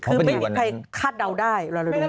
คือไม่มีใครคาดเดาได้